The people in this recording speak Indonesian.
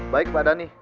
baik pak dhani